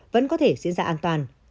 vẫn có thể diễn ra an toàn